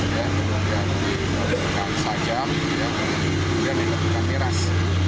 yang diperlukan sajam yang diperlukan miras